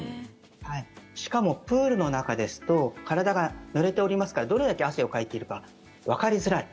しかもプールの中ですと体がぬれておりますからどれだけ汗をかいているかわかりづらい。